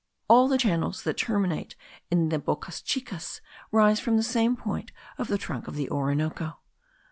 All the channels* that terminate in the bocas chicas, rise from the same point of the trunk of the Orinoco.